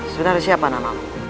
sebenarnya siapa namamu